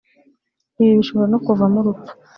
ibi bishobora no kuvamo urupfu